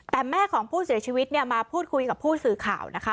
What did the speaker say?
แต่แม่ของผู้เสียชีวิตเนี่ยมาพูดคุยกับผู้สื่อข่าวนะคะ